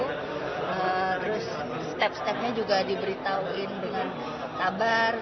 terus step stepnya juga diberitahuin dengan sabar